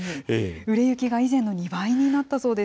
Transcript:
売れ行きが以前の２倍になったそうです。